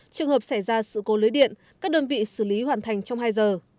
trường hợp xảy ra sự cố lưới điện các đơn vị xử lý hoàn thành trong hai giờ